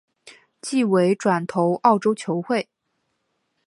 季尾转投澳洲球会。